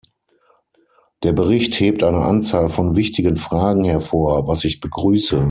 Der Bericht hebt eine Anzahl von wichtigen Fragen hervor, was ich begrüße.